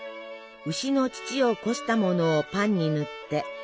「牛の乳をこしたものをパンに塗って」。